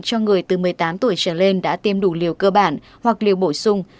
cho người từ một mươi tám tuổi trở lên đã tiêm đủ liều cơ bản hoặc liều bổ sung